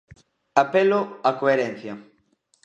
Apelo á coherencia.